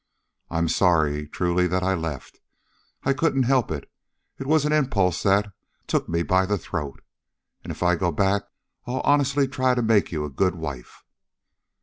I'm sorry, truly, that I left. I couldn't help it. It was an impulse that took me by the throat. And if I go back I'll honestly try to make you a good wife."